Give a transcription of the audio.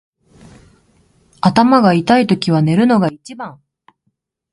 頭が痛いときは寝るのが一番。